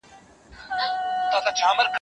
زه به د سبا لپاره د درسونو يادونه کړې وي؟!